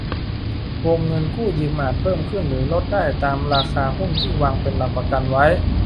วงเงินกู้ยืมอาจเพิ่มขึ้นหรือลดลงได้ตามราคาหุ้นที่วางเป็นหลักประกันไว้